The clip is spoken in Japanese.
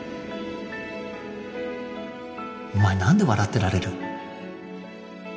お前何で笑ってられる？